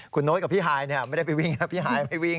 คุณโน๊ตกับพี่ฮายเนี่ยไม่ได้ไปวิ่งครับพี่ฮายไม่วิ่ง